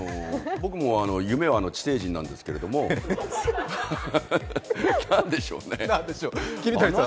僕も夢は地底人なんですけど何でしょうね。